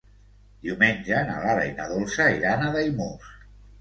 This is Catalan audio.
Diumenge na Lara i na Dolça iran a Daimús.